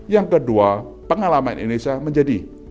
yang kedua pengalaman indonesia menjadi